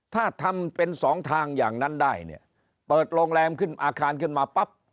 ถ้าทำเป็นสองทางอย่างนั้นได้เนี่ยเปิดโรงแรมขึ้นอาคารขึ้นมาปั๊บ